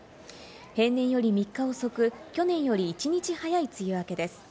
平年より３日遅く、去年より１日早い梅雨明けです。